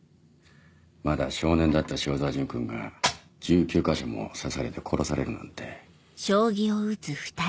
まだ少年だった塩澤潤君が１９か所も刺されて殺されるなんて。